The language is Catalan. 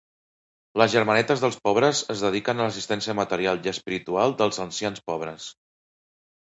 Les Germanetes dels Pobres es dediquen a l'assistència material i espiritual dels ancians pobres.